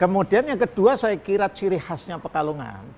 kemudian yang kedua saya kira ciri khasnya pekalongan